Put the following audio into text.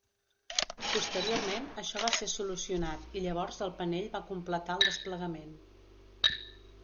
Posteriorment això va ser solucionat i llavors el panell va completar el desplegament.